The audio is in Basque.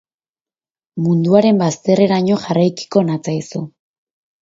Munduaren bazterreraino jarraikiko natzaizu.